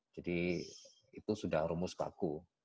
jadi itu sudah rumus baku